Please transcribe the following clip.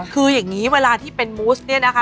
คืออย่างนี้เวลาที่เป็นมูสเนี่ยนะคะ